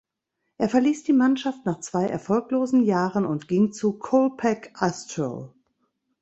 Er verließ die Mannschaft nach zwei erfolglosen Jahren und ging zu Colpack-Astro.